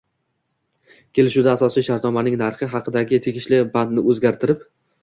Kelishuvda asosiy shartnomaning narhi haqidagi tegishli bandni o‘zgartirib